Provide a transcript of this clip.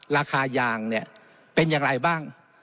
ราคายางเนี่ยเป็นอย่างไรบ้าง